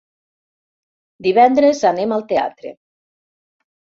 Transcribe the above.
Divendres anem al teatre.